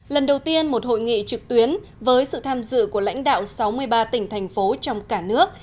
lần đầu tiên một hội nghị trực tuyến với sự tham dự của lãnh đạo sáu mươi ba tỉnh thành phố trong cả nước